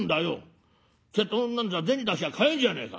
瀬戸物なんざ銭出しゃ買えるじゃねえか。